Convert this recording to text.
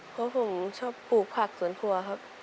เพราะผมชอบปลูกผักสวนครัวครับ